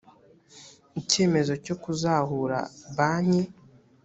icyemezo cyo kuzahura banki